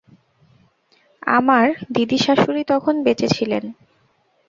আমার দিদিশাশুড়ি তখন বেঁচে ছিলেন।